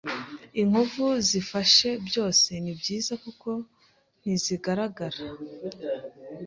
inkovu zifashe byose ni byiza kuko ntizigaragara